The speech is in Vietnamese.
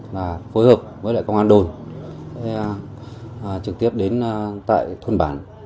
là phối hợp với lại công an đồn trực tiếp đến tại thôn bản